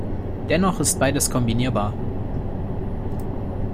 Dennoch ist beides kombinierbar.